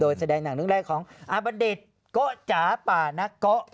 โดยแสดงหนังเรื่องแรกของอาบัณฑิตโกะจ๋าป่านักเกาะ